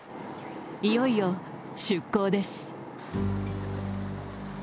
いよいよ出港です。